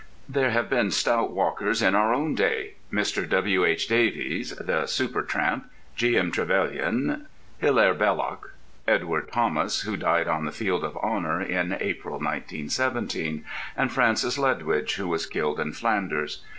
There have been stout walkers in our own day. Mr. W.H. Davies (the Super Tramp), G.M. Trevelyan, Hilaire Belloc, Edward Thomas who died on the field of honour in April, 1917, and Francis Ledwidge, who was killed in Flanders.